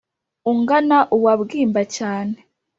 ungana uwa bwimba cyane